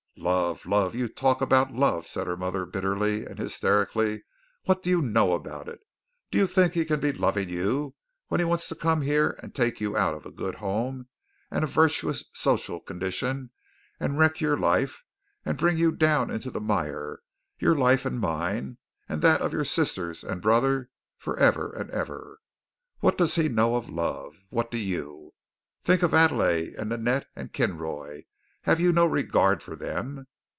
"Love! Love! You talk about love," said her mother bitterly and hysterically. "What do you know about it? Do you think he can be loving you when he wants to come here and take you out of a good home and a virtuous social condition and wreck your life, and bring you down into the mire, your life and mine, and that of your sisters and brother for ever and ever? What does he know of love? What do you? Think of Adele and Ninette and Kinroy. Have you no regard for them?